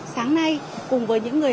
sáng nay cùng với những người